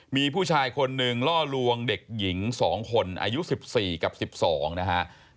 มีผู้ชายคนหนึ่งล่อลวงเด็กหญิง๒คนอายุ๑๔กับ๑๒นะฮะ